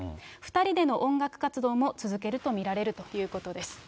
２人での音楽活動も続けると見られるということです。